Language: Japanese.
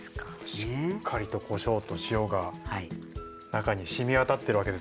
しっかりとこしょうと塩が中に染み渡ってるわけですね。